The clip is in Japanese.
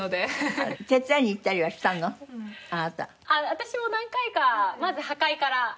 私も何回かまず破壊から。